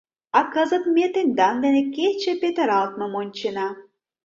— А кызыт ме тендан дене кече петыралтмым ончена...